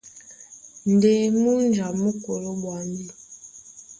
Ndé múnja mú koló ɓwambí.